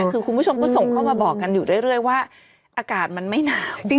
คือคุณผู้ชมก็ส่งเข้ามาบอกกันอยู่เรื่อยว่าอากาศมันไม่หนาวจริง